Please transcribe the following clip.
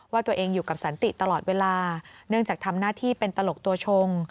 ว่าตัวเองอยู่กับสันติตลอดเวลาเนื่องจากทำหน้าที่เป็นตลกตัวชง